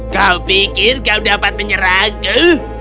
kau pikir kau dapat menyerangku